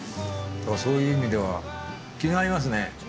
そういう意味では気が合いますね。